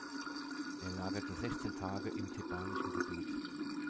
Er lagerte sechzehn Tage im thebanischen Gebiet.